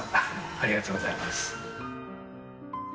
ありがとうございます。